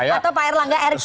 atau pak erlangga erick